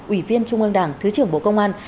ủy viên trung ương đảng thứ trưởng bộ công an